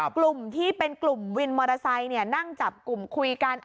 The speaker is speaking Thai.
กลุ่มที่เป็นกลุ่มวินมอเตอร์ไซค์นั่งจับกลุ่มคุยกัน